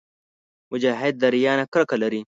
مجاهد د ریا نه کرکه لري.